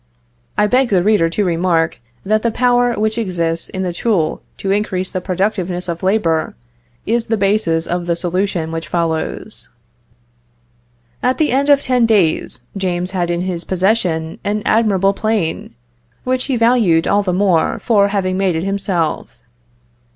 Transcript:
I beg the reader to remark, that the power which exists in the tool to increase the productiveness of labor, is the basis of the solution which follows. At the end of ten days, James had in his possession an admirable plane, which he valued all the more for having made it himself.